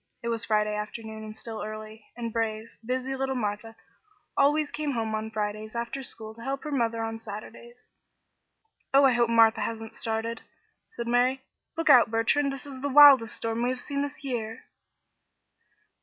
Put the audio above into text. It was Friday afternoon and still early, and brave, busy little Martha always came home on Fridays after school to help her mother on Saturdays. "Oh, I hope Martha hasn't started," said Mary. "Look out, Bertrand. This is the wildest storm we have had this year."